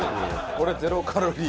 これ０カロリー。